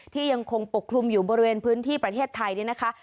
ยังคงปกคลุมอยู่บริเวณพื้นที่ประเทศไทยเนี่ยนะคะ